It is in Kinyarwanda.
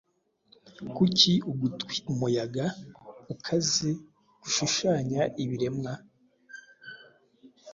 Kuki ugutwi, umuyaga ukaze gushushanya ibiremwa?